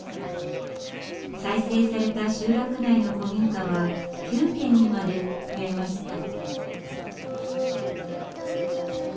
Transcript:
再生された集落内の古民家は９軒にまで増えました。